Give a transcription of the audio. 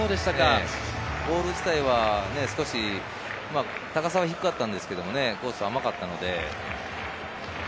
ボール自体は少し、高さは低かったんですけど、コースは甘かったので。